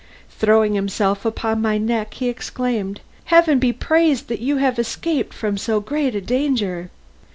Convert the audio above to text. Throwing himself upon my neck he exclaimed, "Heaven be praised that you have escaped from so great a danger.